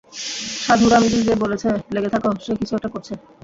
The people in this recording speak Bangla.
সাধু রামজি যে বলেছে লেগে থাকো, সে কিছু একটা করছে।